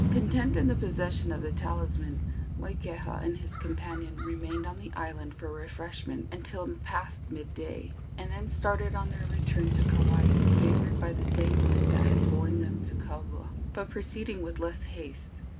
Content in the possession of the talisman, Moikeha and his companion remained on the island for refreshment until past midday, and then started on their return to Kauai, favored by the same winds that had borne them to Kaula, but proceeding with less haste.